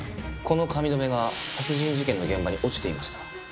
この髪留めが殺人事件の現場に落ちていました。